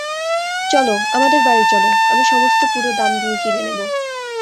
চলো, আমাদের বাড়ি চলো, আমি সমস্ত পুরো দাম দিয়ে কিনে নেব।